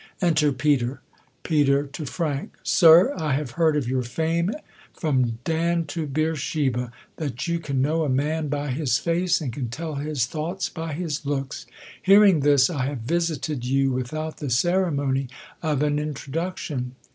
Enter Peter. J Peter, [to Frank,'] Sir, I have heard of your fame^ from Dan to Beersheba ; that you can know a man by his face, and can tell his thoughts by his looks. Hear ing this, I have visited you without the ceremony of an introduction.